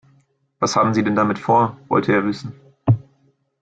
Was haben Sie denn damit vor?, wollte er wissen.